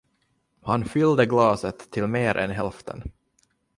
Han fyllde glaset till mer än hälften.